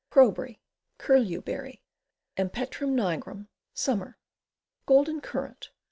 Crowberry. Curlew berry. Empetrum nigrum. Summer. Golden Currant.